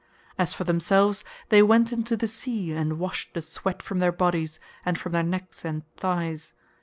As for themselves, they went into the sea and washed the sweat from their bodies, and from their necks and thighs.